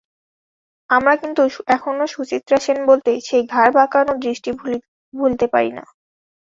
আমরা কিন্তু এখনো সুচিত্রা সেন বলতে, সেই ঘাড় বাঁকানো দৃষ্টি ভুলতে পারি না।